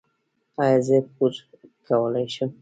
ایا زه پور کولی شم؟